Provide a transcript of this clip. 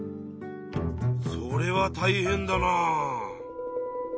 それはたいへんだなあ。